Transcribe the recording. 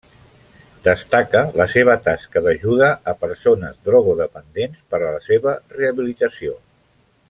Destaca la seva tasca d'ajuda a persones drogodependents per a la seva rehabilitació.